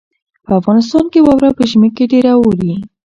په افغانستان کې واوره په ژمي کې ډېره اوري.